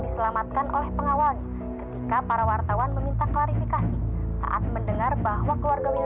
sampai jumpa di video selanjutnya